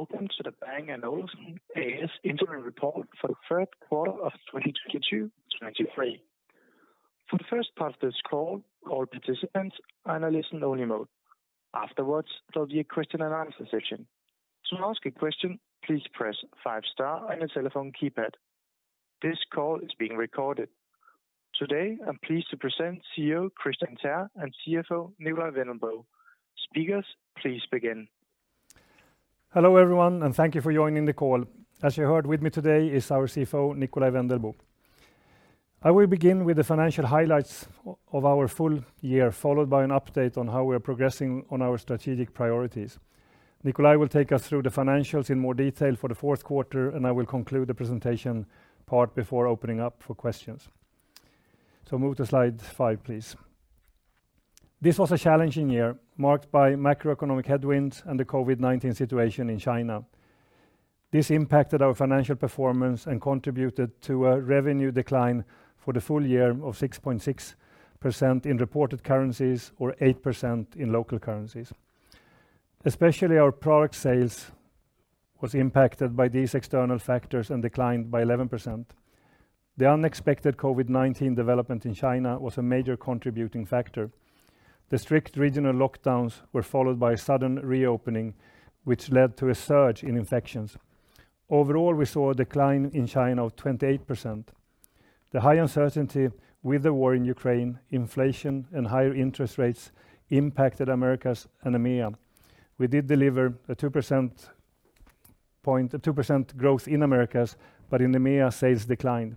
Welcome to the Bang & Olufsen A/S interim report for the third quarter of 2022, 2023. For the first part of this call, all participants are in a listen only mode. Afterwards, there will be a question and answer session. To ask a question, please press 5 star on your telephone keypad. This call is being recorded. Today, I am pleased to present CEO, Kristian Teär, and CFO, Nikolaj Wendelboe. Speakers, please begin. Hello, everyone, and thank you for joining the call. As you heard, with me today is our CFO, Nikolaj Wendelboe. I will begin with the financial highlights of our full year, followed by an update on how we are progressing on our strategic priorities. Nikolaj will take us through the financials in more detail for the fourth quarter, and I will conclude the presentation part before opening up for questions. Move to slide 5, please. This was a challenging year, marked by macroeconomic headwinds and the COVID-19 situation in China. This impacted our financial performance and contributed to a revenue decline for the full year of 6.6% in reported currencies or 8% in local currencies. Especially our product sales was impacted by these external factors and declined by 11%. The unexpected COVID-19 development in China was a major contributing factor. The strict regional lockdowns were followed by a sudden reopening, which led to a surge in infections. Overall, we saw a decline in China of 28%. The high uncertainty with the war in Ukraine, inflation, and higher interest rates impacted Americas and EMEA. We did deliver a 2% growth in Americas. In EMEA, sales declined.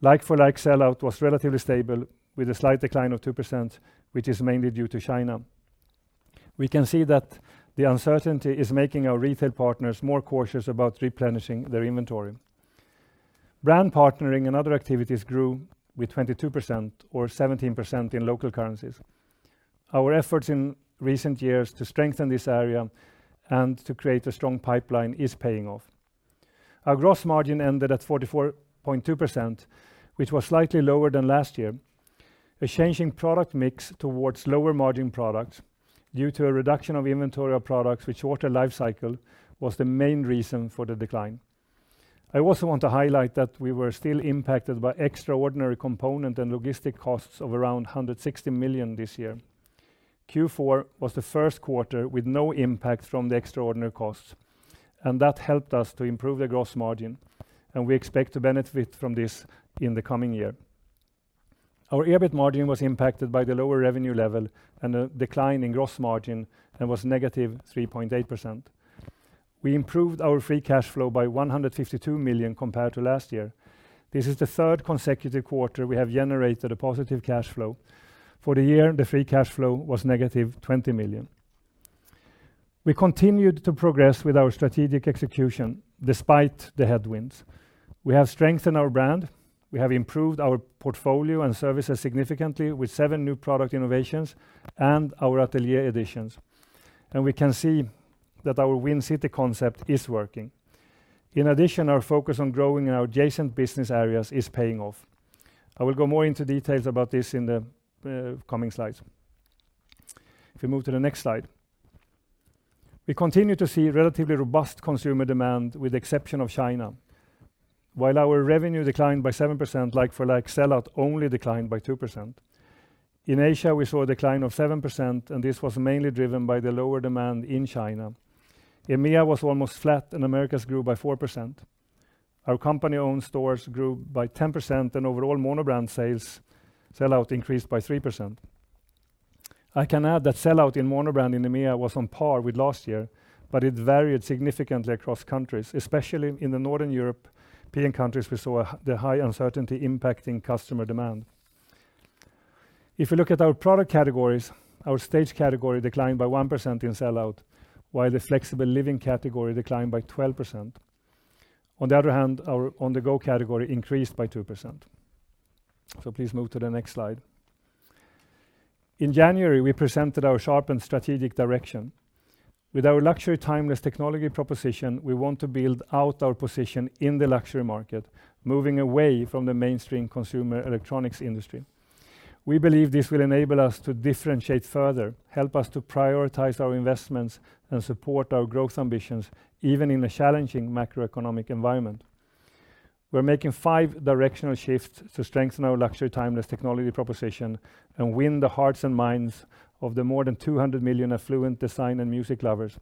Like for like, sellout was relatively stable, with a slight decline of 2%, which is mainly due to China. We can see that the uncertainty is making our retail partners more cautious about replenishing their inventory. Brand partnering and other activities grew with 22% or 17% in local currencies. Our efforts in recent years to strengthen this area and to create a strong pipeline is paying off. Our gross margin ended at 44.2%, which was slightly lower than last year. A changing product mix towards lower margin products due to a reduction of inventory of products with shorter life cycle, was the main reason for the decline. I also want to highlight that we were still impacted by extraordinary component and logistic costs of around 160 million this year. Q4 was the first quarter with no impact from the extraordinary costs, and that helped us to improve the gross margin, and we expect to benefit from this in the coming year. Our EBIT margin was impacted by the lower revenue level and a decline in gross margin, and was negative 3.8%. We improved our free cash flow by 152 million compared to last year. This is the third consecutive quarter we have generated a positive cash flow. For the year, the free cash flow was negative 20 million. We continued to progress with our strategic execution, despite the headwinds. We have strengthened our brand, we have improved our portfolio and services significantly with seven new product innovations and our Atelier editions, and we can see that our Win City concept is working. In addition, our focus on growing in our adjacent business areas is paying off. I will go more into details about this in the coming slides. If you move to the next slide. We continue to see relatively robust consumer demand, with the exception of China. While our revenue declined by 7%, like for like, sellout only declined by 2%. In Asia, we saw a decline of 7%, and this was mainly driven by the lower demand in China. EMEA was almost flat, and Americas grew by 4%. Our company-owned stores grew by 10%. Overall, Monobrand sales sellout increased by 3%. I can add that sellout in Monobrand in EMEA was on par with last year. It varied significantly across countries. Especially in the Northern European countries, we saw the high uncertainty impacting customer demand. If you look at our product categories, our Staged category declined by 1% in sellout, while the Flexible Living category declined by 12%. On the other hand, our On-the-go category increased by 2%. Please move to the next slide. In January, we presented our sharpened strategic direction. With our Luxury Timeless Technology proposition, we want to build out our position in the luxury market, moving away from the mainstream consumer electronics industry. We believe this will enable us to differentiate further, help us to prioritize our investments, and support our growth ambitions, even in a challenging macroeconomic environment. We're making five directional shifts to strengthen our Luxury Timeless Technology proposition and win the hearts and minds of the more than 200 million affluent design and music lovers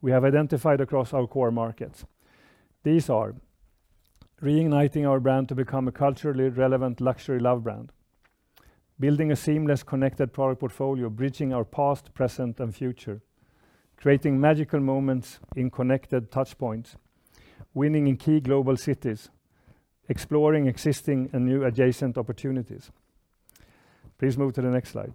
we have identified across our core markets. These are: reigniting our brand to become a culturally relevant luxury love brand, building a seamless, connected product portfolio, bridging our past, present, and future, creating magical moments in connected touch points, winning in key global cities, exploring existing and new adjacent opportunities. Please move to the next slide.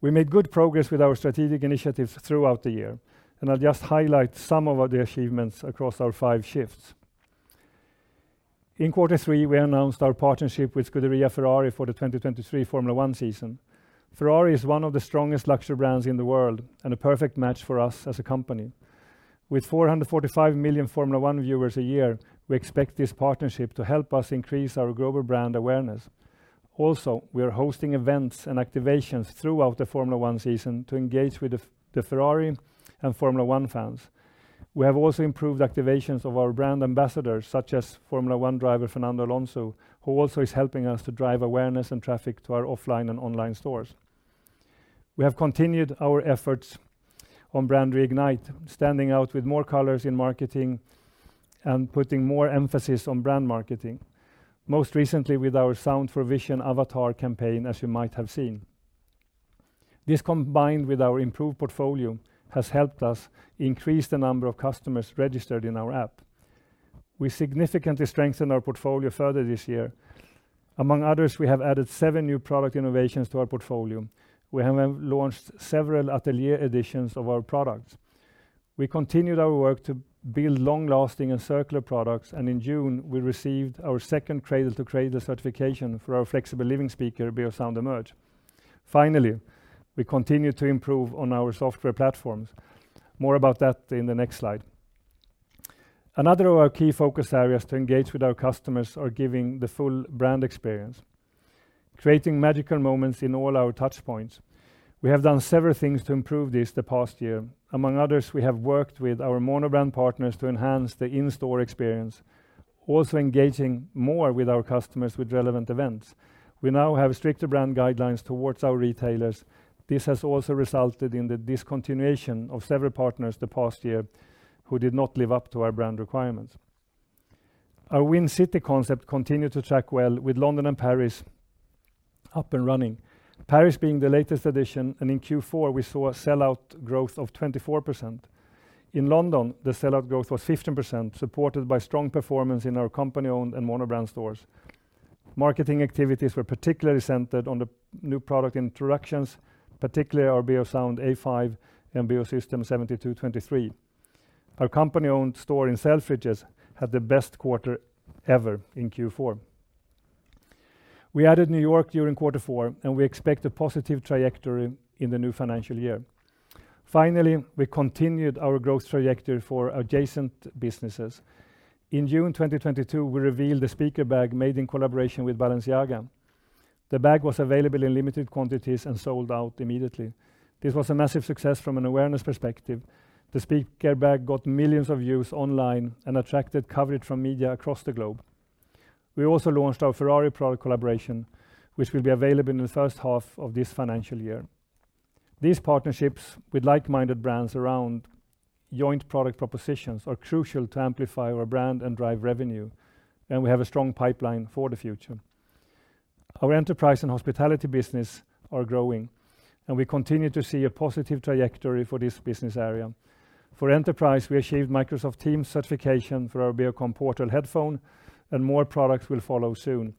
We made good progress with our strategic initiatives throughout the year. I'll just highlight some of the achievements across our five shifts. In quarter three, we announced our partnership with Scuderia Ferrari for the 2023 F1 season. Ferrari is one of the strongest luxury brands in the world, and a perfect match for us as a company. With 445 million F1 viewers a year, we expect this partnership to help us increase our global brand awareness. We are hosting events and activations throughout the Formula-1 season to engage with the Ferrari and F1 fans. We have also improved activations of our brand ambassadors, such as Formula-1 driver, Fernando Alonso, who also is helping us to drive awareness and traffic to our offline and online stores. We have continued our efforts on brand reignite, standing out with more colors in marketing and putting more emphasis on brand marketing, most recently with our Sound for Vision Avatar campaign, as you might have seen. This, combined with our improved portfolio, has helped us increase the number of customers registered in our app. We significantly strengthened our portfolio further this year. Among others, we have added 7 new product innovations to our portfolio. We have launched several Atelier editions of our products. We continued our work to build long-lasting and circular products, and in June, we received our second Cradle to Cradle certification for our Flexible Living speaker, Beosound Emerge. Finally, we continued to improve on our software platforms. More about that in the next slide. Another of our key focus areas to engage with our customers are giving the full brand experience, creating magical moments in all our touch points. We have done several things to improve this the past year. Among others, we have worked with our monobrand partners to enhance the in-store experience, also engaging more with our customers with relevant events. We now have stricter brand guidelines towards our retailers. This has also resulted in the discontinuation of several partners the past year who did not live up to our brand requirements. Our Win City concept continued to track well, with London and Paris up and running. Paris being the latest addition. In Q4, we saw a sell-out growth of 24%. In London, the sell-out growth was 15%, supported by strong performance in our company-owned and monobrand stores. Marketing activities were particularly centered on the new product introductions, particularly our Beosound A5 and Beosystem 72-23. Our company-owned store in Selfridges had the best quarter ever in Q4. We added New York during quarter four, and we expect a positive trajectory in the new financial year. Finally, we continued our growth trajectory for adjacent businesses. In June 2022, we revealed the speaker bag made in collaboration with Balenciaga. The bag was available in limited quantities and sold out immediately. This was a massive success from an awareness perspective. The speaker bag got millions of views online and attracted coverage from media across the globe. We also launched our Ferrari product collaboration, which will be available in the first half of this financial year. These partnerships with like-minded brands around joint product propositions are crucial to amplify our brand and drive revenue. We have a strong pipeline for the future. Our enterprise and hospitality business are growing. We continue to see a positive trajectory for this business area. For enterprise, we achieved Microsoft Teams certification for our Beocom Portal headphone. More products will follow soon.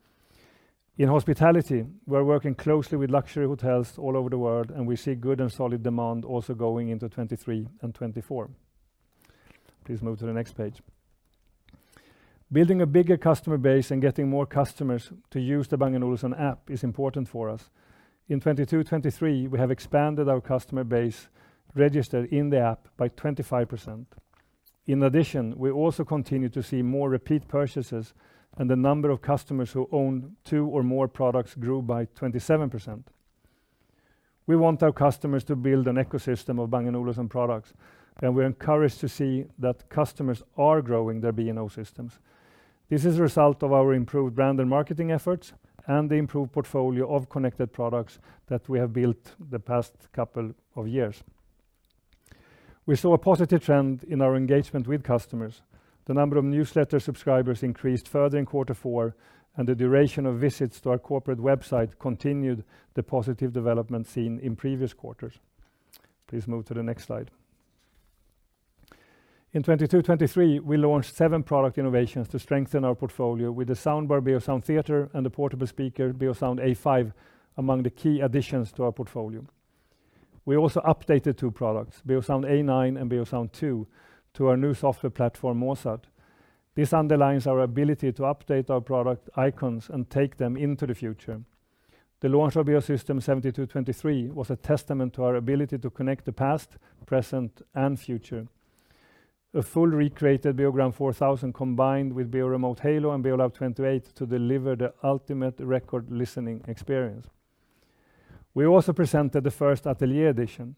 In hospitality, we're working closely with luxury hotels all over the world. We see good and solid demand also going into 2023 and 2024. Please move to the next page. Building a bigger customer base and getting more customers to use the Bang & Olufsen app is important for us. In 2022, 2023, we have expanded our customer base registered in the app by 25%. In addition, we also continue to see more repeat purchases, and the number of customers who own two or more products grew by 27%. We want our customers to build an ecosystem of Bang & Olufsen products, and we're encouraged to see that customers are growing their B&O systems. This is a result of our improved brand and marketing efforts and the improved portfolio of connected products that we have built the past couple of years. We saw a positive trend in our engagement with customers. The number of newsletter subscribers increased further in quarter four, and the duration of visits to our corporate website continued the positive development seen in previous quarters. Please move to the next slide. In 2022, 2023, we launched seven product innovations to strengthen our portfolio with the soundbar Beosound Theatre and the portable speaker, Beosound A5, among the key additions to our portfolio. We also updated two products, Beosound A9 and Beosound 2, to our new software platform, Mozart. This underlines our ability to update our product icons and take them into the future. The launch of Beosystem 72-23 was a testament to our ability to connect the past, present, and future. A full recreated Beogram 4000 combined with Beoremote Halo and Beolab 28 to deliver the ultimate record listening experience. We also presented the first Atelier edition.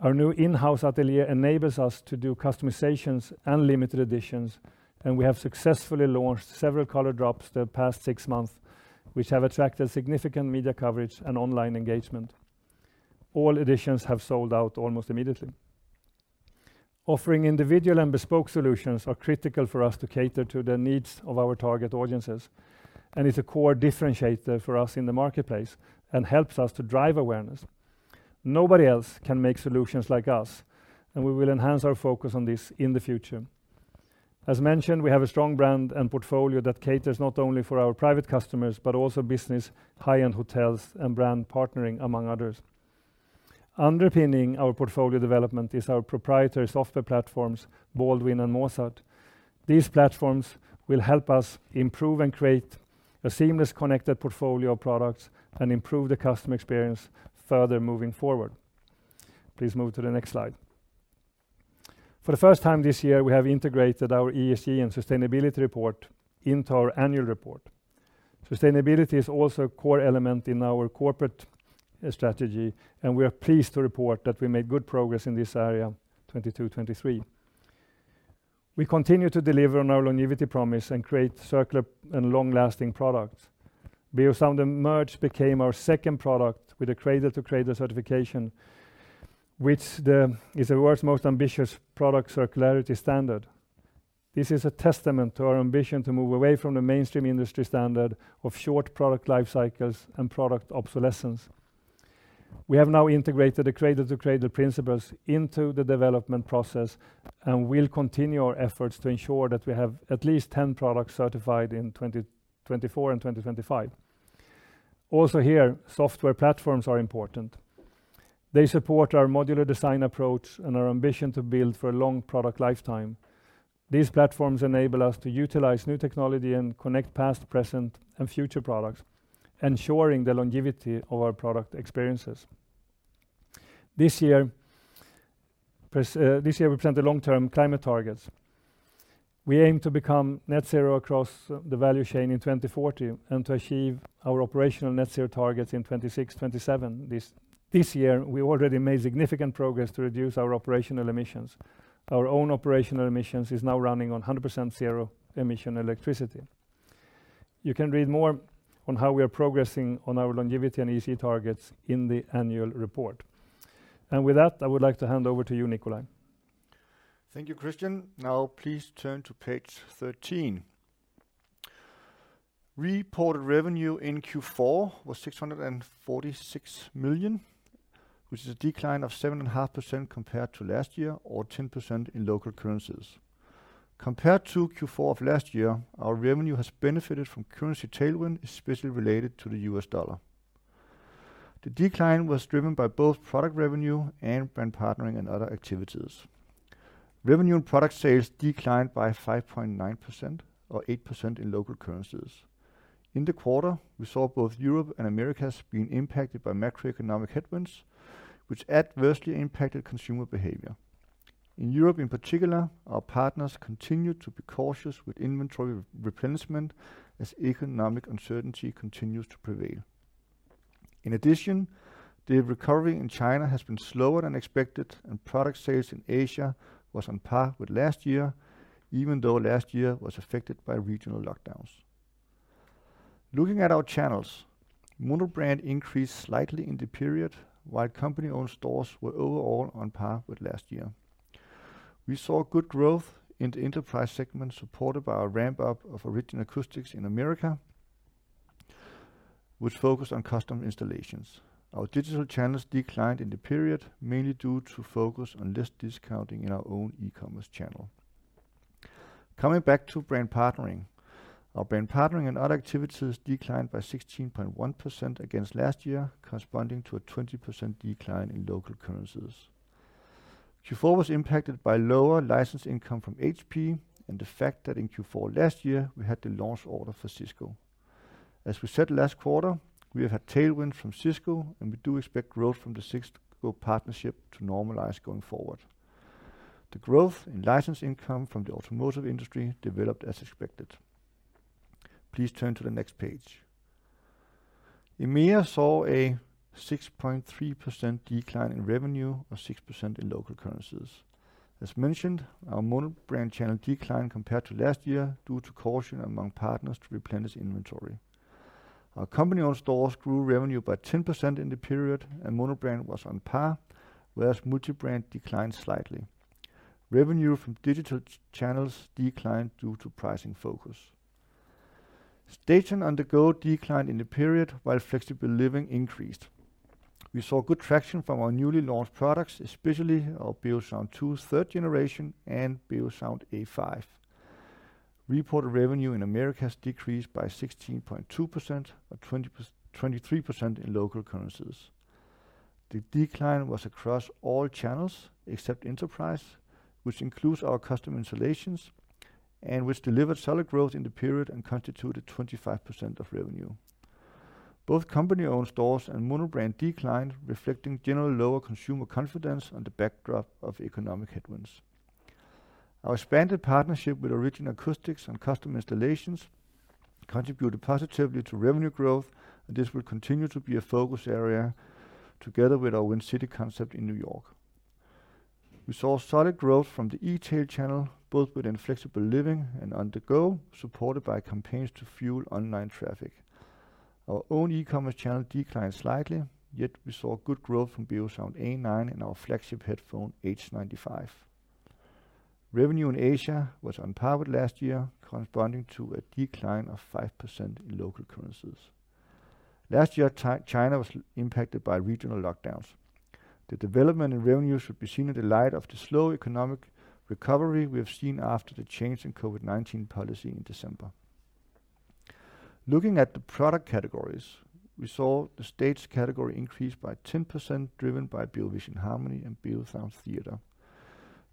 Our new in-house Atelier enables us to do customizations and limited editions. We have successfully launched several color drops the past six months, which have attracted significant media coverage and online engagement. All editions have sold out almost immediately. Offering individual and bespoke solutions are critical for us to cater to the needs of our target audiences, and it's a core differentiator for us in the marketplace and helps us to drive awareness. Nobody else can make solutions like us, and we will enhance our focus on this in the future. As mentioned, we have a strong brand and portfolio that caters not only for our private customers, but also business, high-end hotels, and brand partnering, among others. Underpinning our portfolio development is our proprietary software platforms, Baldwin and Mozart. These platforms will help us improve and create a seamless, connected portfolio of products and improve the customer experience further moving forward. Please move to the next slide. For the first time this year, we have integrated our ESG and sustainability report into our annual report. Sustainability is also a core element in our corporate strategy, and we are pleased to report that we made good progress in this area, 2022-2023. We continue to deliver on our longevity promise and create circular and long-lasting products. Beosound Emerge became our second product with a Cradle to Cradle certification, which is the world's most ambitious product circularity standard. This is a testament to our ambition to move away from the mainstream industry standard of short product life cycles and product obsolescence. We have now integrated the Cradle to Cradle principles into the development process, and we'll continue our efforts to ensure that we have at least 10 products certified in 2024 and 2025. Also here, software platforms are important. They support our modular design approach and our ambition to build for a long product lifetime. These platforms enable us to utilize new technology and connect past, present, and future products, ensuring the longevity of our product experiences. This year, we present the long-term climate targets. We aim to become net zero across the value chain in 2040 and to achieve our operational net zero targets in 2026, 2027. This year, we already made significant progress to reduce our operational emissions. Our own operational emissions is now running on 100% zero emission electricity. You can read more on how we are progressing on our longevity and ESG targets in the annual report. With that, I would like to hand over to you, Nikolaj. Thank you, Kristian. Please turn to page 13. Reported revenue in Q4 was 646 million, which is a decline of 7.5% compared to last year, or 10% in local currencies. Compared to Q4 of last year, our revenue has benefited from currency tailwind, especially related to the US dollar. The decline was driven by both product revenue and brand partnering and other activities. Revenue and product sales declined by 5.9%, or 8% in local currencies. In the quarter, we saw both Europe and Americas being impacted by macroeconomic headwinds, which adversely impacted consumer behavior. In Europe, in particular, our partners continued to be cautious with inventory replenishment as economic uncertainty continues to prevail. In addition, the recovery in China has been slower than expected, and product sales in Asia was on par with last year, even though last year was affected by regional lockdowns. Looking at our channels, Monobrand increased slightly in the period, while company-owned stores were overall on par with last year. We saw good growth in the enterprise segment, supported by our ramp-up of Origin Acoustics in America, which focused on custom installations. Our digital channels declined in the period, mainly due to focus on less discounting in our own e-commerce channel. Coming back to brand partnering. Our brand partnering and other activities declined by 16.1% against last year, corresponding to a 20% decline in local currencies. Q4 was impacted by lower licensed income from HP and the fact that in Q4 last year, we had the launch order for Cisco. We said last quarter, we have had tailwind from Cisco, and we do expect growth from the Cisco partnership to normalize going forward. The growth in licensed income from the automotive industry developed as expected. Please turn to the next page. EMEA saw a 6.3% decline in revenue, or 6% in local currencies. Mentioned, our Monobrand channel declined compared to last year due to caution among partners to replenish inventory. Our company-owned stores grew revenue by 10% in the period, and Monobrand was on par, whereas Multibrand declined slightly. Revenue from digital channels declined due to pricing focus. Staged and On-the-go declined in the period, while Flexible Living increased. We saw good traction from our newly launched products, especially our Beosound 2 third generation and Beosound A5. Reported revenue in Americas decreased by 16.2%, or 23% in local currencies. The decline was across all channels except Enterprise, which includes our custom installations and which delivered solid growth in the period and constituted 25% of revenue. Both company-owned stores and Monobrand declined, reflecting general lower consumer confidence on the backdrop of economic headwinds. Our expanded partnership with Origin Acoustics and custom installations contributed positively to revenue growth. This will continue to be a focus area together with our Win City concept in New York. We saw solid growth from the eTail channel, both within Flexible Living and On-the-Go, supported by campaigns to fuel online traffic. Our own e-commerce channel declined slightly, yet we saw good growth from Beosound A9 and our flagship headphone, H95. Revenue in Asia was on par with last year, corresponding to a decline of 5% in local currencies. Last year, China was impacted by regional lockdowns. The development in revenues should be seen in the light of the slow economic recovery we have seen after the change in COVID-19 policy in December. Looking at the product categories, we saw the Staged category increase by 10%, driven by Beovision Harmony and Beosound Theatre.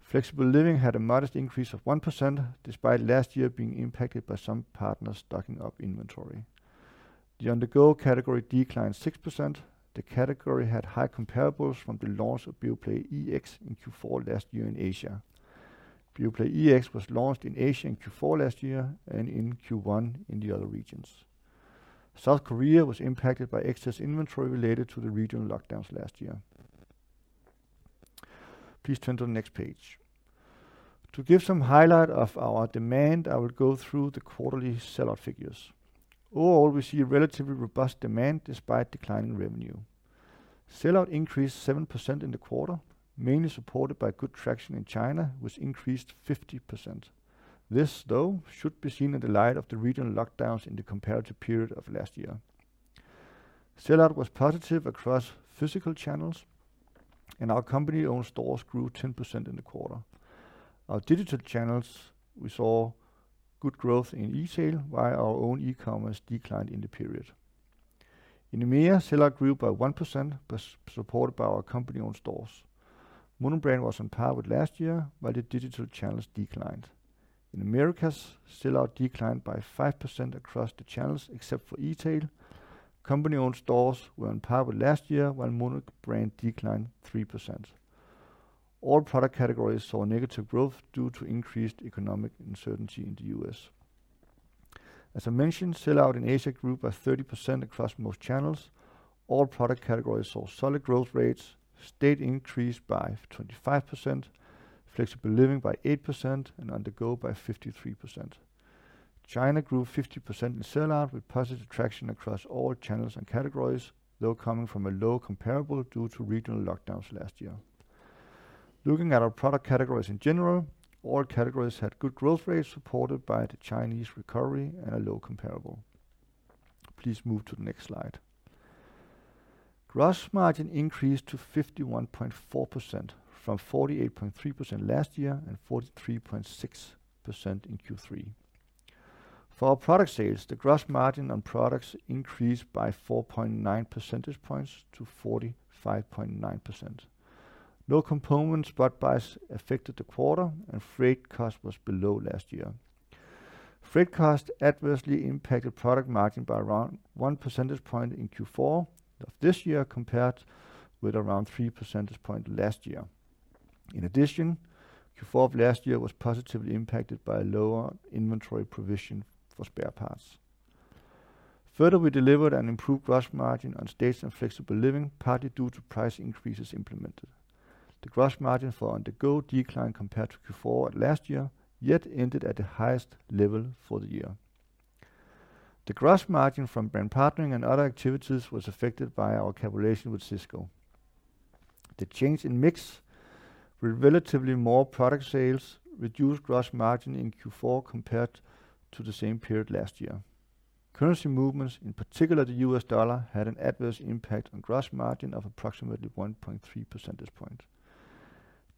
Flexible Living had a modest increase of 1%, despite last year being impacted by some partners stocking up inventory. The On-the-go category declined 6%. The category had high comparables from the launch of Beoplay EX in Q4 last year in Asia. Beoplay EX was launched in Asia in Q4 last year and in Q1 in the other regions. South Korea was impacted by excess inventory related to the regional lockdowns last year. Please turn to the next page. To give some highlight of our demand, I will go through the quarterly sell-out figures. Overall, we see a relatively robust demand despite declining revenue. Sell-out increased 7% in the quarter, mainly supported by good traction in China, which increased 50%. This, though, should be seen in the light of the regional lockdowns in the comparative period of last year. Sell-out was positive across physical channels, and our company-owned stores grew 10% in the quarter. Our digital channels, we saw good growth in e-tail, while our own e-commerce declined in the period. In EMEA, sell-out grew by 1%, was supported by our company-owned stores. Mono brand was on par with last year, while the digital channels declined. In Americas, sell-out declined by 5% across the channels, except for e-tail. Company-owned stores were on par with last year, while Monobrand declined 3%. All product categories saw negative growth due to increased economic uncertainty in the U.S. As I mentioned, sell-out in Asia grew by 30% across most channels. All product categories saw solid growth rates, Staged increased by 25%, Flexible Living by 8% and On-the-go by 53%. China grew 50% in sell-out, with positive traction across all channels and categories, though coming from a low comparable due to regional lockdowns last year. Looking at our product categories in general, all categories had good growth rates, supported by the Chinese recovery and a low comparable. Please move to the next slide. Gross margin increased to 51.4% from 48.3% last year, and 43.6% in Q3. For our product sales, the gross margin on products increased by 4.9 percentage points to 45.9%. No component spot buys affected the quarter. Freight cost was below last year. Freight cost adversely impacted product margin by around 1 percentage point in Q4 of this year, compared with around 3 percentage point last year. In addition, Q4 of last year was positively impacted by a lower inventory provision for spare parts. Further, we delivered an improved gross margin on Staged and Flexible Living, partly due to price increases implemented. The gross margin for On-the-go declined compared to Q4 last year, yet ended at the highest level for the year. The gross margin from brand partnering and other activities was affected by our calculation with Cisco. The change in mix with relatively more product sales, reduced gross margin in Q4 compared to the same period last year. Currency movements, in particular the US dollar, had an adverse impact on gross margin of approximately 1.3 percentage point.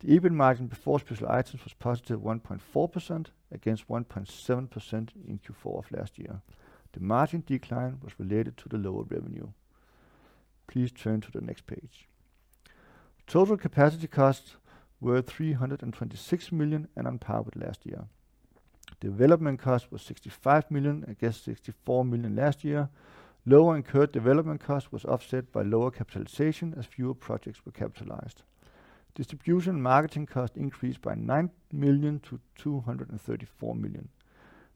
The EBIT margin before special items was positive 1.4% against 1.7% in Q4 of last year. The margin decline was related to the lower revenue. Please turn to the next page. Total capacity costs were 326 million and on par with last year. Development cost was 65 million against 64 million last year. Lower incurred development cost was offset by lower capitalization as fewer projects were capitalized. Distribution marketing cost increased by 9 million to 234 million.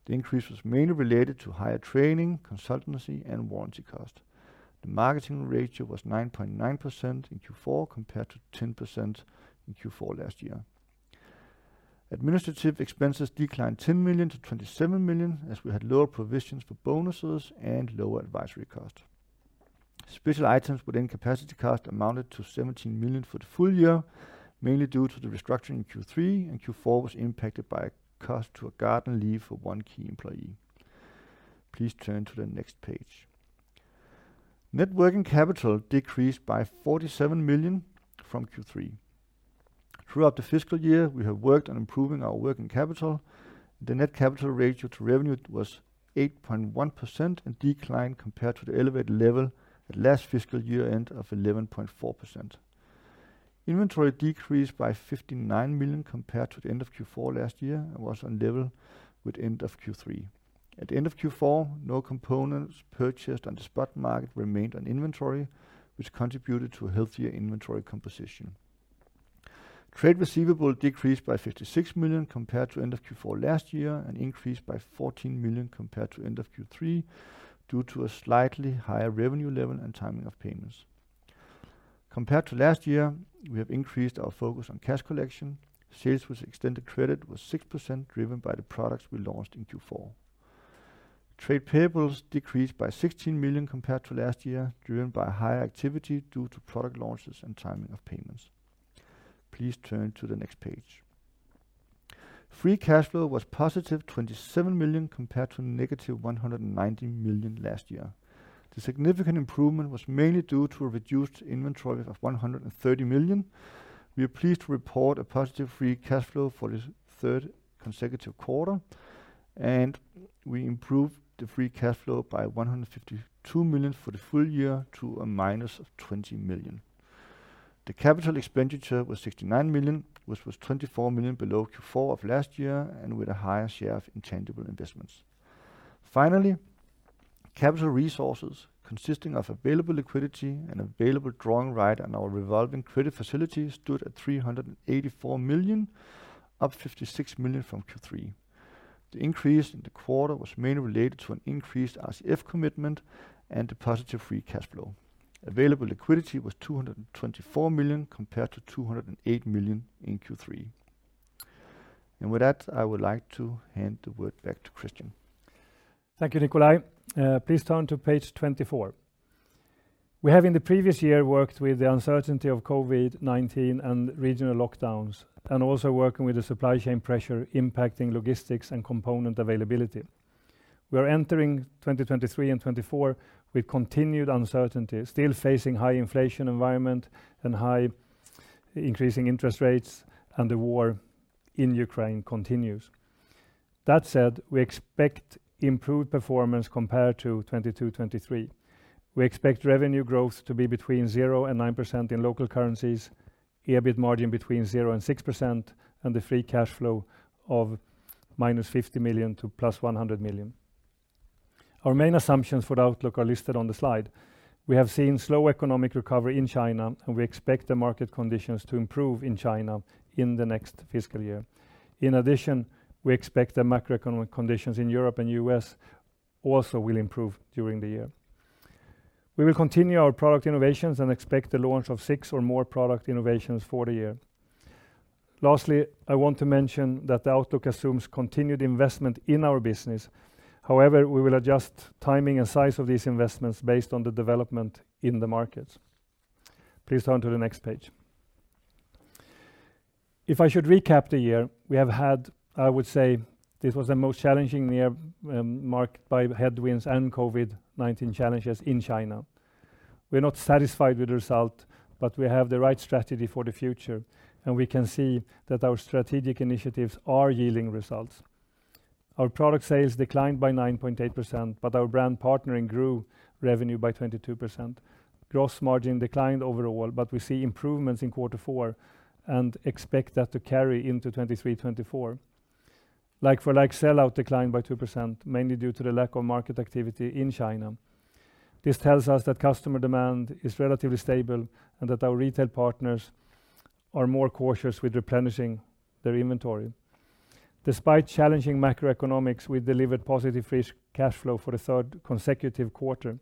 The increase was mainly related to higher training, consultancy, and warranty cost. The marketing ratio was 9.9% in Q4, compared to 10% in Q4 last year. Administrative expenses declined 10 million to 27 million, as we had lower provisions for bonuses and lower advisory cost. Special items within capacity cost amounted to 17 million for the full year, mainly due to the restructuring in Q3 and Q4 was impacted by a cost to a garden leave for one key employee. Please turn to the next page. Net working capital decreased by 47 million from Q3. Throughout the fiscal year, we have worked on improving our working capital. The net capital ratio to revenue was 8.1% and declined compared to the elevated level at last fiscal year-end of 11.4%. Inventory decreased by 59 million compared to the end of Q4 last year, and was on level with end of Q3. At the end of Q4, no components purchased on the spot market remained on inventory, which contributed to a healthier inventory composition. Trade receivable decreased by 56 million compared to end of Q4 last year, and increased by 14 million compared to end of Q3, due to a slightly higher revenue level and timing of payments. Compared to last year, we have increased our focus on cash collection. Sales with extended credit was 6%, driven by the products we launched in Q4. Trade payables decreased by 16 million compared to last year, driven by higher activity due to product launches and timing of payments. Please turn to the next page. Free cash flow was positive 27 million compared to negative 190 million last year. The significant improvement was mainly due to a reduced inventory of 130 million. We are pleased to report a positive free cash flow for the third consecutive quarter. We improved the free cash flow by 152 million for the full year to a minus of 20 million. The CapEx was 69 million, which was 24 million below Q4 of last year, with a higher share of intangible investments. Finally, capital resources consisting of available liquidity and available drawing right on our revolving credit facility, stood at 384 million, up 56 million from Q3. The increase in the quarter was mainly related to an increased RCF commitment and a positive free cash flow. Available liquidity was 224 million, compared to 208 million in Q3. With that, I would like to hand the word back to Kristian. Thank you, Nikolaj. Please turn to page 24. We have, in the previous year, worked with the uncertainty of COVID-19 and regional lockdowns, also working with the supply chain pressure impacting logistics and component availability. We are entering 2023 and 2024 with continued uncertainty, still facing high inflation environment and high increasing interest rates. The war in Ukraine continues. That said, we expect improved performance compared to 2022, 2023. We expect revenue growth to be between 0% and 9% in local currencies, EBIT margin between 0% and 6%, and the free cash flow of -50 million to +100 million. Our main assumptions for the outlook are listed on the slide. We have seen slow economic recovery in China. We expect the market conditions to improve in China in the next fiscal year. In addition, we expect the macroeconomic conditions in Europe and US also will improve during the year. We will continue our product innovations and expect the launch of six or more product innovations for the year. Lastly, I want to mention that the outlook assumes continued investment in our business. However, we will adjust timing and size of these investments based on the development in the markets. Please turn to the next page. If I should recap the year, I would say this was the most challenging year, marked by headwinds and COVID-19 challenges in China. We're not satisfied with the result, but we have the right strategy for the future, and we can see that our strategic initiatives are yielding results. Our product sales declined by 9.8%, but our brand partnering grew revenue by 22%. Gross margin declined overall. We see improvements in quarter four and expect that to carry into 2023, 2024. Like-for-like sell-out declined by 2%, mainly due to the lack of market activity in China. This tells us that customer demand is relatively stable and that our retail partners are more cautious with replenishing their inventory. Despite challenging macroeconomics, we delivered positive free cash flow for the third consecutive quarter.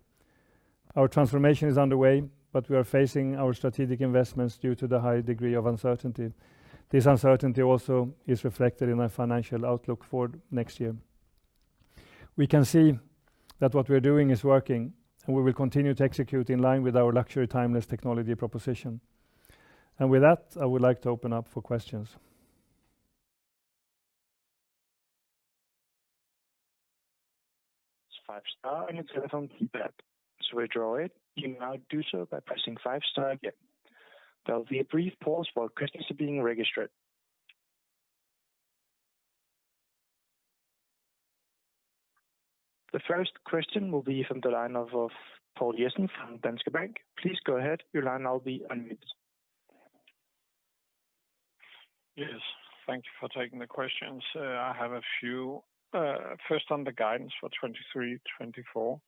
Our transformation is underway. We are phasing our strategic investments due to the high degree of uncertainty. This uncertainty also is reflected in our financial outlook for next year. We can see that what we're doing is working. We will continue to execute in line with our Luxury Timeless Technology proposition. With that, I would like to open up for questions. It's five-star on your telephone keypad. To withdraw it, you now do so by pressing five-star again. There will be a brief pause while questions are being registered. The first question will be from the line of Poul Jessen from Danske Bank. Please go ahead. Your line now will be unmuted. Yes, thank you for taking the questions. I have a few. First, on the guidance for 2023, 2024,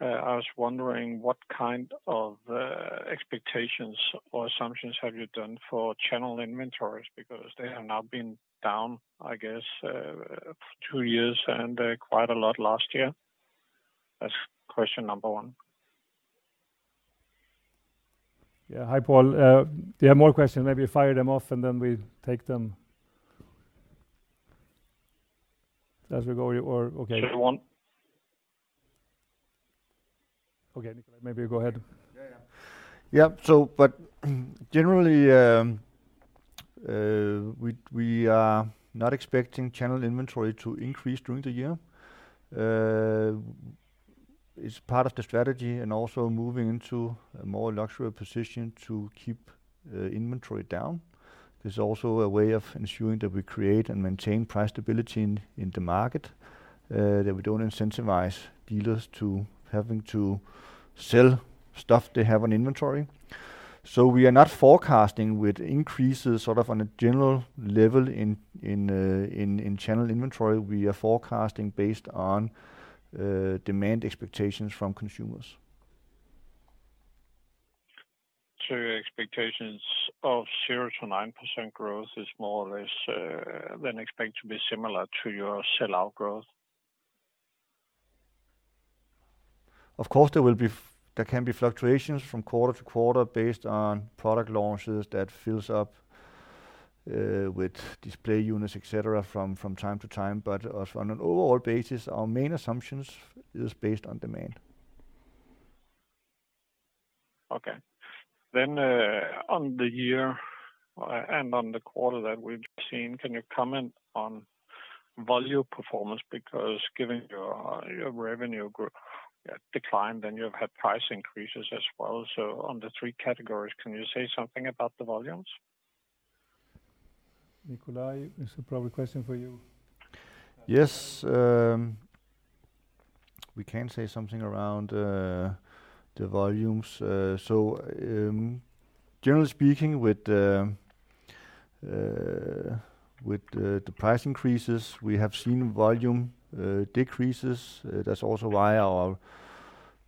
I was wondering what kind of expectations or assumptions have you done for channel inventories? They have now been down, I guess, for 2 years and quite a lot last year. That's question number 1. Yeah. Hi, Poul. Do you have more questions? Maybe fire them off, and then we take them. As we go or... Okay. Only one. Okay, Nikolaj, maybe go ahead. Yeah, yeah. Yep. But, generally, we are not expecting channel inventory to increase during the year. It's part of the strategy and also moving into a more luxurious position to keep inventory down. There's also a way of ensuring that we create and maintain price stability in the market that we don't incentivize dealers to having to sell stuff they have on inventory. We are not forecasting with increases, sort of on a general level, in channel inventory. We are forecasting based on demand expectations from consumers. Your expectations of 0%-9% growth is more or less, than expect to be similar to your sell-out growth? There can be fluctuations from quarter to quarter based on product launches that fills up with display units, et cetera, from time to time. As on an overall basis, our main assumptions is based on demand. Okay. On the year, and on the quarter that we've seen, can you comment on volume performance? Given your revenue grow declined, and you've had price increases as well. On the three categories, can you say something about the volumes? Nikolaj, it's a probably question for you. We can say something around the volumes. Generally speaking, with the price increases, we have seen volume decreases. That's also why our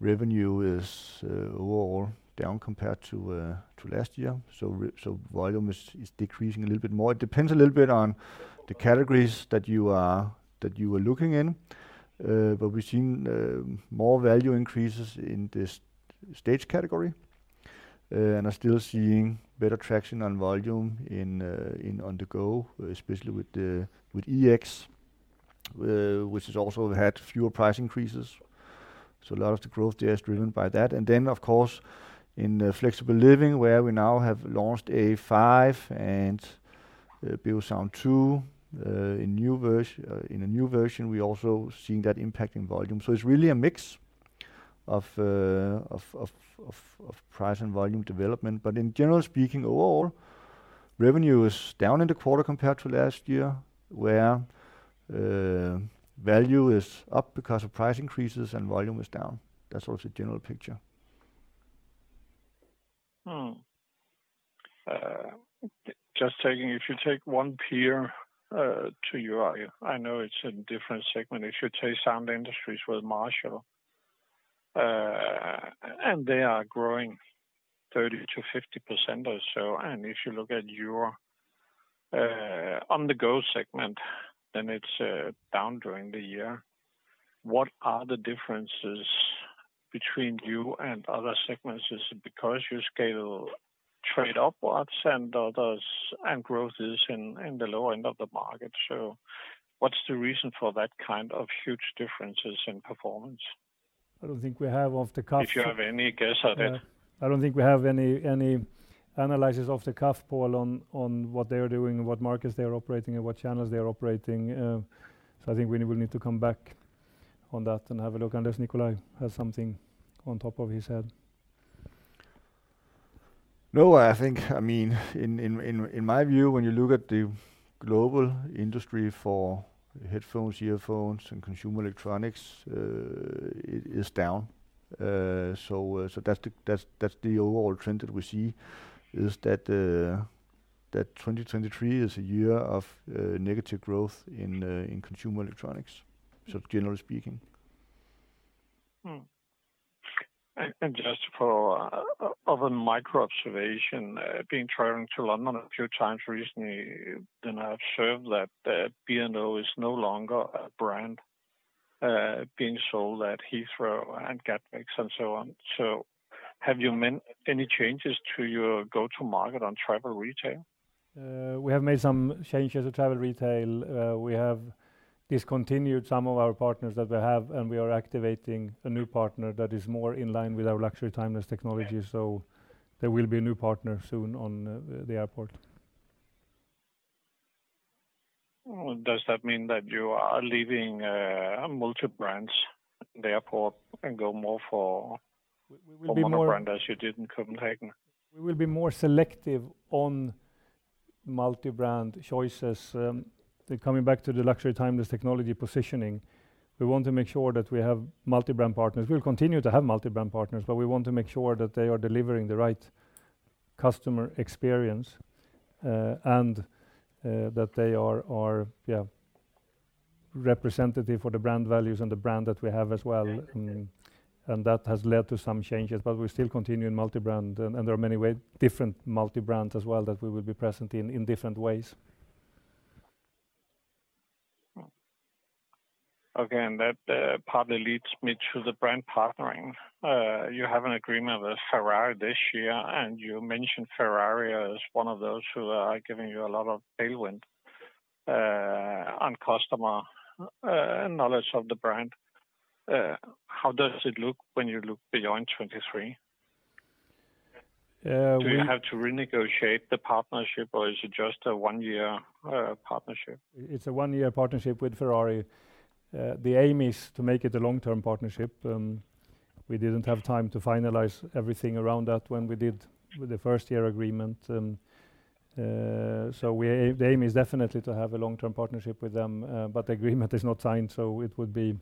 revenue is overall down compared to last year. Volume is decreasing a little bit more. It depends a little bit on the categories that you were looking in. We've seen more value increases in this Staged category and are still seeing better traction on volume in on-the-go, especially with EX, which has also had fewer price increases. A lot of the growth there is driven by that. Of course, in the Flexible Living, where we now have launched A5 and Beosound 2 in a new version, we're also seeing that impact in volume. It's really a mix of price and volume development. In general, speaking, overall, revenue is down in the quarter compared to last year, where value is up because of price increases and volume is down. That's also the general picture. Just taking, if you take one peer to you, I know it's a different segment. If you take Zound Industries with Marshall, they are growing 30%-50% or so. If you look at your On-the-go segment, it's down during the year. What are the differences between you and other segments? Is it because you scale trade upwards and others, and growth is in the lower end of the market? What's the reason for that kind of huge differences in performance? If you have any guess at it. I don't think we have any analysis off the cuff, Poul, on what they are doing and what markets they are operating and what channels they are operating. I think we will need to come back on that and have a look, unless Nikolaj has something on top of his head. I think, I mean, in my view, when you look at the global industry for headphones, earphones and consumer electronics, it is down. That's the overall trend that we see, is that 2023 is a year of negative growth in consumer electronics. Generally speaking. Just for of a micro observation, being traveling to London a few times recently, then I've observed that B&O is no longer a brand being sold at Heathrow and Gatwick and so on. Have you made any changes to your go-to market on travel retail? We have made some changes to travel retail. We have discontinued some of our partners that we have, and we are activating a new partner that is more in line with our Luxury Timeless Technology. Yeah. There will be a new partner soon on the airport. Well, does that mean that you are leaving, Multibrand the airport and go more? We will be. Monobrand, as you did in Copenhagen? We will be more selective on Multibrand choices. Coming back to the Luxury Timeless Technology positioning, we want to make sure that we have Multibrand partners. We'll continue to have Multibrand partners, but we want to make sure that they are delivering the right customer experience, and that they are representative for the brand values and the brand that we have as well. That has led to some changes, but we still continue in multi-brand, and there are many different multi-brands as well that we will be present in different ways. That partly leads me to the brand partnering. You have an agreement with Ferrari this year, and you mentioned Ferrari as one of those who are giving you a lot of tailwind on customer knowledge of the brand. How does it look when you look beyond 2023? Do you have to renegotiate the partnership, or is it just a 1-year partnership? It's a one-year partnership with Ferrari. The aim is to make it a long-term partnership. We didn't have time to finalize everything around that when we did the first-year agreement. The aim is definitely to have a long-term partnership with them, but the agreement is not signed, so it would be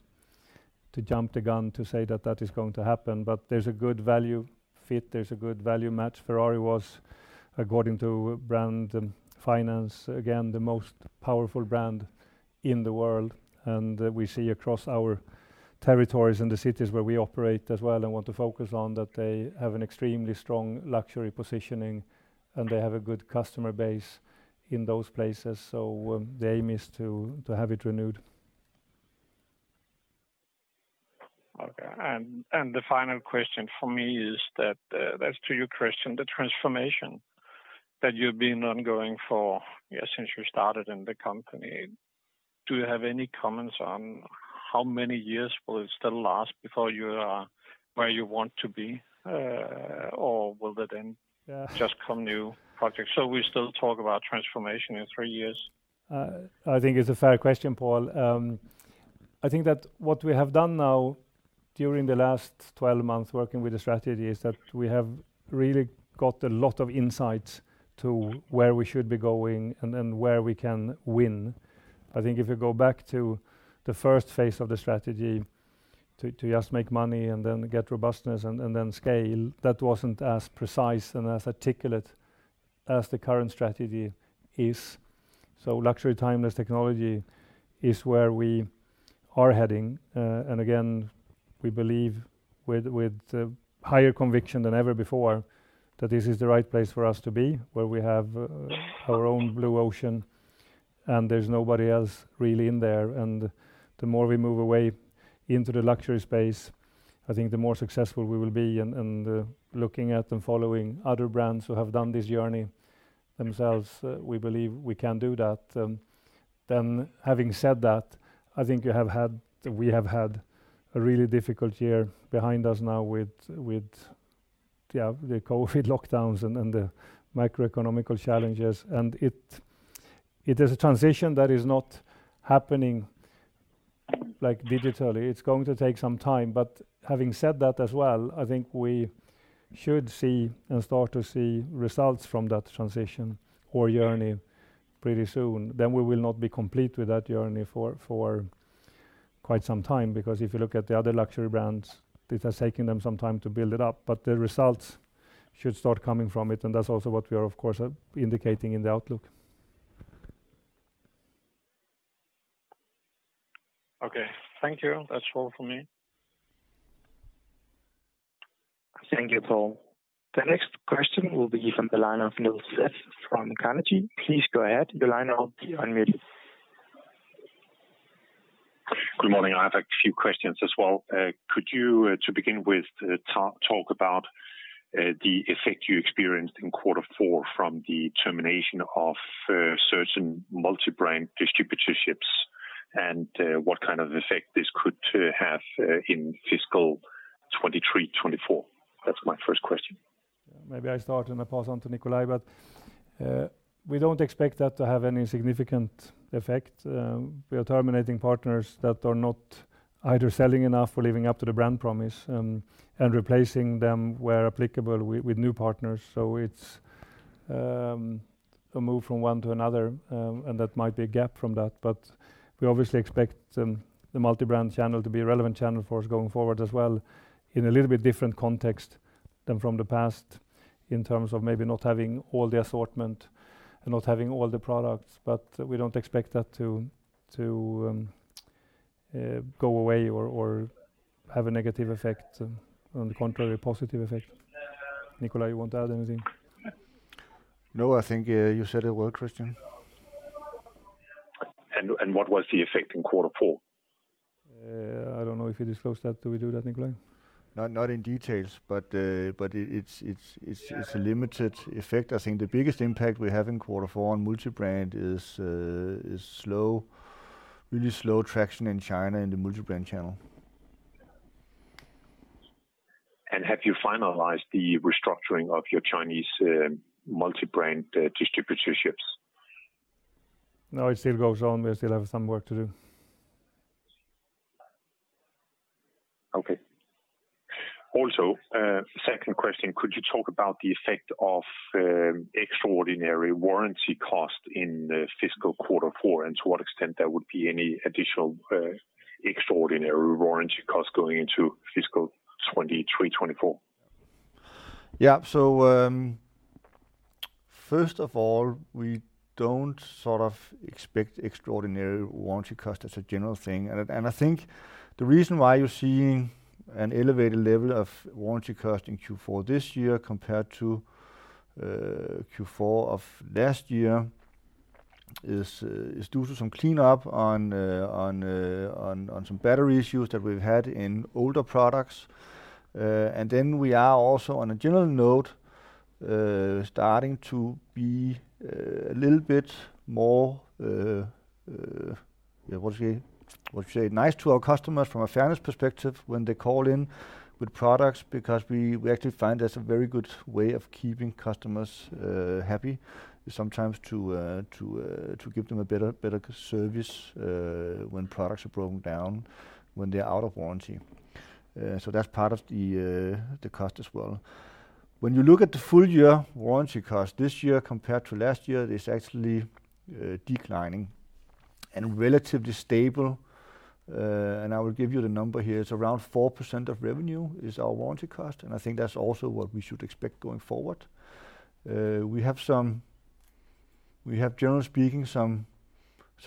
to jump the gun to say that that is going to happen. There's a good value fit, there's a good value match. Ferrari was, according to Brand Finance, again, the most powerful brand in the world. We see across our territories and the cities where we operate as well and want to focus on, that they have an extremely strong luxury positioning, and they have a good customer base in those places, so the aim is to have it renewed. The final question from me is that's to you, Kristian, the transformation, that you've been ongoing for since you started in the company. Do you have any comments on how many years will it still last before you are where you want to be? Or will it? Yeah just come new projects? We still talk about transformation in three years. I think it's a fair question, Poul. I think that what we have done now during the last 12 months working with the strategy, is that we have really got a lot of insight to where we should be going and then where we can win. I think if you go back to the first phase of the strategy, to just make money and then get robustness and then scale, that wasn't as precise and as articulate as the current strategy is. Luxury Timeless Technology is where we are heading. Again, we believe with higher conviction than ever before, that this is the right place for us to be, where we have our own blue ocean, and there's nobody else really in there. The more we move away into the luxury space, I think the more successful we will be. Looking at and following other brands who have done this journey themselves, we believe we can do that. Having said that, I think we have had a really difficult year behind us now with, yeah, the COVID-19 lockdowns and the microeconomic challenges, and it is a transition that is not happening like digitally. It's going to take some time. Having said that as well, I think we should see and start to see results from that transition or journey pretty soon. We will not be complete with that journey for quite some time, because if you look at the other luxury brands, it has taken them some time to build it up, but the results should start coming from it, and that's also what we are, of course, indicating in the outlook. Okay. Thank you. That's all from me. Thank you, Poul. The next question will be from the line of Niels Leth from Carnegie. Please go ahead. Your line will be unmuted. Good morning. I have a few questions as well. Could you to begin with, talk about the effect you experienced in quarter four from the termination of certain multibrand distributorships, and what kind of effect this could have in fiscal 2023, 2024? That's my first question. Maybe I start and I pass on to Nikolaj, but we don't expect that to have any significant effect. We are terminating partners that are not either selling enough or living up to the brand promise, and replacing them, where applicable, with new partners. So it's a move from one to another, and that might be a gap from that. We obviously expect the Multibrand channel to be a relevant channel for us going forward as well, in a little bit different context than from the past, in terms of maybe not having all the assortment and not having all the products, but we don't expect that to go away or have a negative effect. On the contrary, a positive effect. Nikolaj, you want to add anything? No, I think, you said it well, Kristian. What was the effect in quarter four? I don't know if we disclosed that. Do we do that, Nikolaj? Not in details, but it's a limited effect. I think the biggest impact we have in quarter four on Multibrand is slow, really slow traction in China, in the Multibrand channel. Have you finalized the restructuring of your Chinese, Multibrand, distributorships? No, it still goes on. We still have some work to do. Second question: Could you talk about the effect of extraordinary warranty costs in the fiscal quarter four, and to what extent there would be any additional extraordinary warranty costs going into fiscal 2023, 2024? First of all, we don't sort of expect extraordinary warranty costs as a general thing. I think the reason why you're seeing an elevated level of warranty cost in Q4 this year compared to Q4 of last year, is due to some cleanup on some battery issues that we've had in older products. We are also, on a general note, starting to be a little bit more, what do you say? Nice to our customers from a fairness perspective when they call in with products, because we actually find that's a very good way of keeping customers happy, sometimes to give them a better service when products are broken down, when they're out of warranty. That's part of the cost as well. When you look at the full year warranty cost, this year compared to last year, it is actually declining and relatively stable. I will give you the number here. It's around 4% of revenue, is our warranty cost, and I think that's also what we should expect going forward. We have, generally speaking, some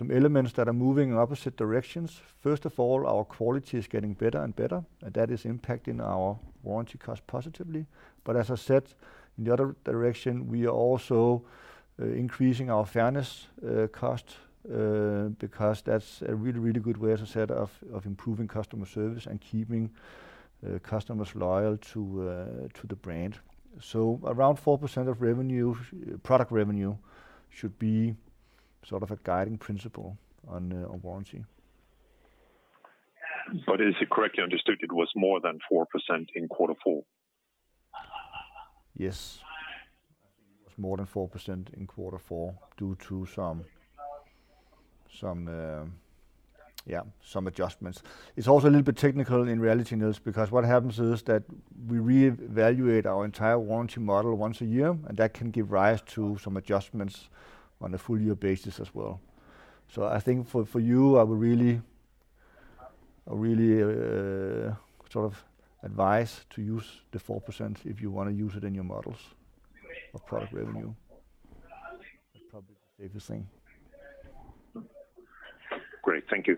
elements that are moving in opposite directions. First of all, our quality is getting better and better, and that is impacting our warranty cost positively. As I said, in the other direction, we are also increasing our fairness cost, because that's a really, really good way, as I said, of improving customer service and keeping customers loyal to the brand. Around 4% of revenue, product revenue, should be sort of a guiding principle on warranty. Is it correctly understood it was more than 4% in quarter four? Yes. It was more than 4% in quarter four, due to some, yeah, some adjustments. It's also a little bit technical in reality Niels, because what happens is that we re-evaluate our entire warranty model once a year, that can give rise to some adjustments on a full year basis as well. I think for you, I would really sort of advise to use the 4% if you wanna use it in your models of product revenue. That's probably the safest thing. Great, thank you.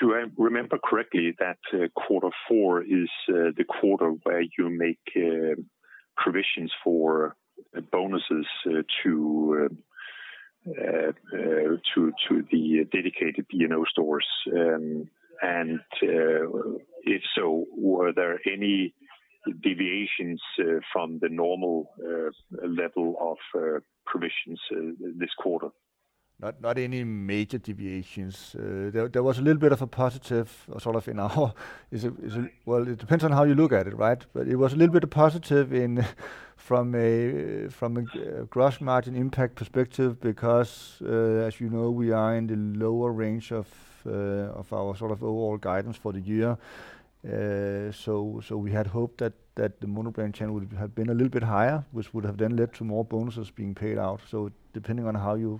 Do I remember correctly that quarter four is the quarter where you make provisions for bonuses to the dedicated, you know, stores? If so, were there any deviations from the normal level of provisions this quarter? Not any major deviations. There was a little bit of a positive sort of in our. Well, it depends on how you look at it, right? It was a little bit of positive in, from a gross margin impact perspective, because, as you know, we are in the lower range of our sort of overall guidance for the year. We had hoped that the Monobrand channel would have been a little bit higher, which would have then led to more bonuses being paid out. Depending on how you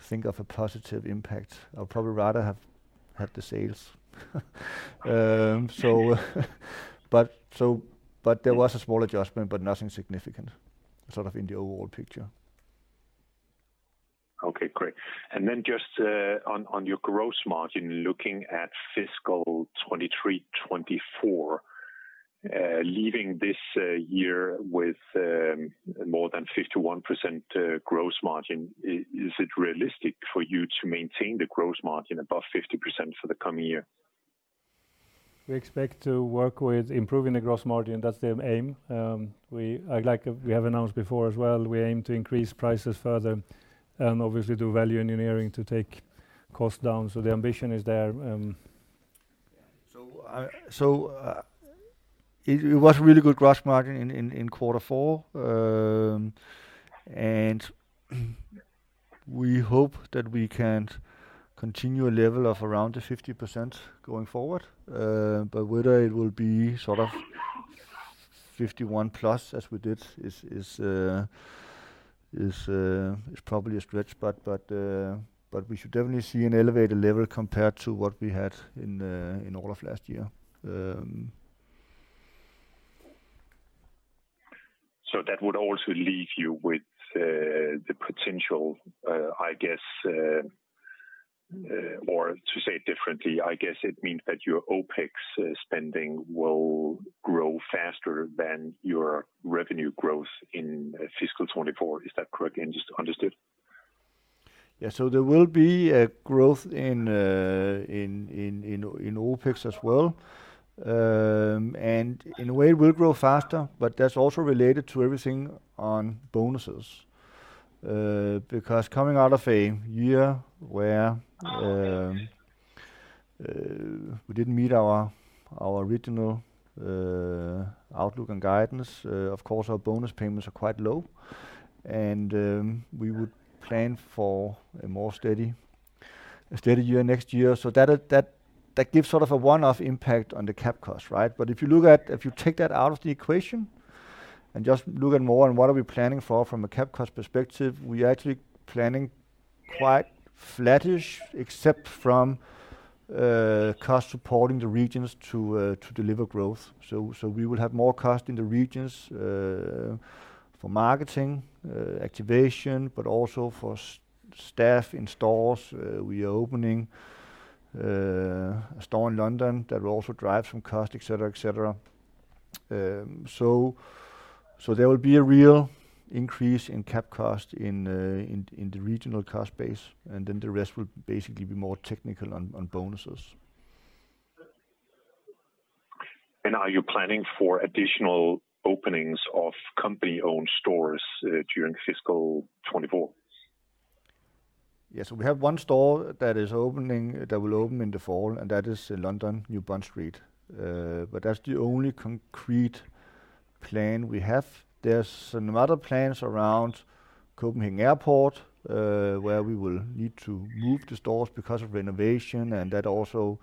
think of a positive impact, I would probably rather have had the sales. There was a small adjustment, but nothing significant, sort of in the overall picture. Okay, great. Just on your gross margin, looking at fiscal 2023, 2024, leaving this year with more than 51% gross margin, is it realistic for you to maintain the gross margin above 50% for the coming year? We expect to work with improving the gross margin. That's the aim. Like we have announced before as well, we aim to increase prices further and obviously do value engineering to take costs down. The ambition is there. It was a really good gross margin in Q4. We hope that we can continue a level of around the 50% going forward. Whether it will be sort of 51% plus, as we did, is probably a stretch, but we should definitely see an elevated level compared to what we had in all of last year. That would also leave you with, the potential, I guess... to say it differently, I guess it means that your OpEx spending will grow faster than your revenue growth in fiscal 2024. Is that correct, and just understood? There will be a growth in OpEx as well. In a way, it will grow faster, that's also related to everything on bonuses. Because coming out of a year where we didn't meet our original outlook and guidance, of course, our bonus payments are quite low, we would plan for a more steady year next year. That gives sort of a one-off impact on the CapEx, right? If you take that out of the equation and just look at more on what are we planning for from a CapEx perspective, we're actually planning quite flattish, except from cost supporting the regions to deliver growth. We will have more cost in the regions for marketing activation, but also for staff in stores. We are opening a store in London that will also drive some cost, et cetera, et cetera. There will be a real increase in CapEx cost in the regional cost base, and then the rest will basically be more technical on bonuses. Are you planning for additional openings of company-owned stores during fiscal 2024? Yes. We have one store that is opening, that will open in the fall, and that is in London, New Bond Street. That's the only concrete plan we have. There's some other plans around Copenhagen Airport, where we will need to move the stores because of renovation, that also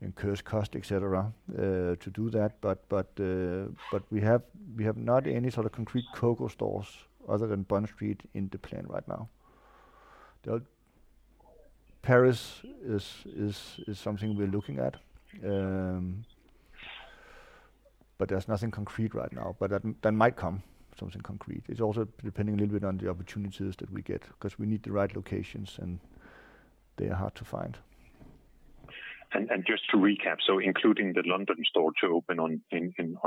incurs cost, et cetera, to do that. We have not any sort of concrete COCO stores other than Bond Street in the plan right now. The Paris is something we're looking at, there's nothing concrete right now. That might come, something concrete. It's also depending a little bit on the opportunities that we get, 'cause we need the right locations, they are hard to find. Just to recap, including the London store to open on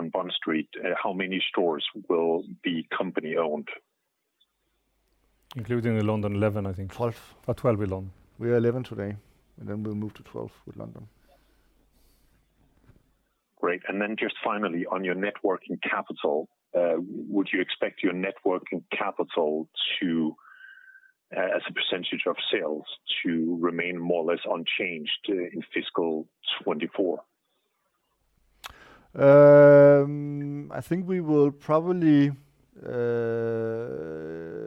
Bond Street, how many stores will be company-owned? Including the London, 11, I think. Twelve. 12 we own. We are 11 today, and then we'll move to 12 with London. Great. Just finally, on your net working capital, would you expect your net working capital to, as a percentage of sales, to remain more or less unchanged in fiscal 2024? I think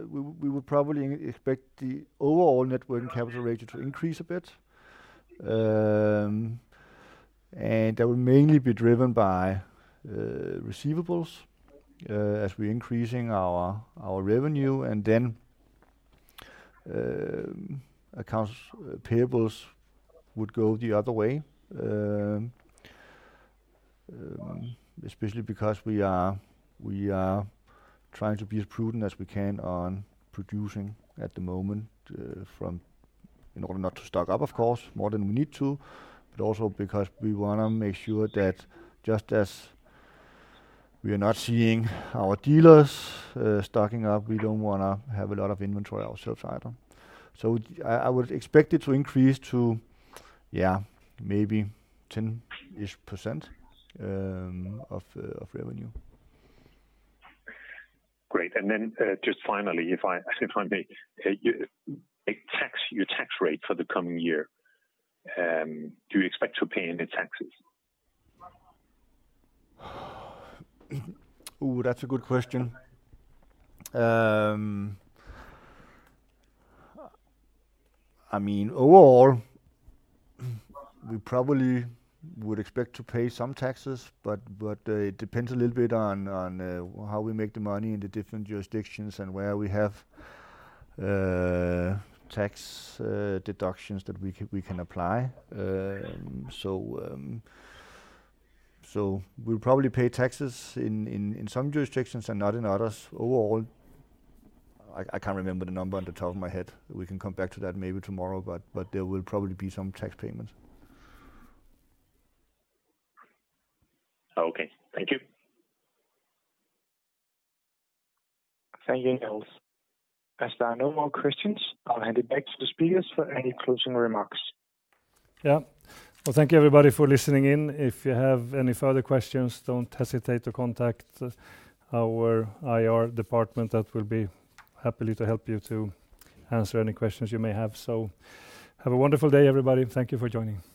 we would probably expect the overall net working capital ratio to increase a bit. That will mainly be driven by receivables as we're increasing our revenue, and then accounts payables would go the other way. Especially because we are trying to be as prudent as we can on producing at the moment in order not to stock up, of course, more than we need to, but also because we wanna make sure that just as we are not seeing our dealers stocking up, we don't wanna have a lot of inventory ourselves either. I would expect it to increase to maybe 10% of revenue. Great. Just finally, if I may, your tax rate for the coming year, do you expect to pay any taxes? That's a good question. I mean, overall, we probably would expect to pay some taxes, but it depends a little bit on how we make the money in the different jurisdictions and where we have tax deductions that we can apply. We'll probably pay taxes in some jurisdictions and not in others. Overall, I can't remember the number on the top of my head. We can come back to that maybe tomorrow, but there will probably be some tax payments. Okay. Thank you. Thank you, Niels. As there are no more questions, I'll hand it back to the speakers for any closing remarks. Well, thank you, everybody, for listening in. If you have any further questions, don't hesitate to contact our IR department, that will be happily to help you to answer any questions you may have. Have a wonderful day, everybody, and thank you for joining.